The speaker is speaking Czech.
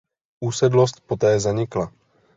Usedlost poté zanikla.